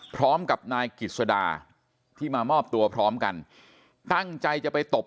พร้อมกับนายกิจสดาที่มามอบตัวพร้อมกันตั้งใจจะไปตบ